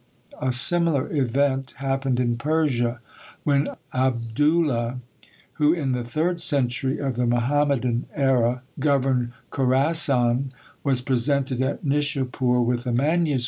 A similar event happened in Persia. When Abdoolah, who in the third century of the Mohammedan æra governed Khorassan, was presented at Nishapoor with a MS.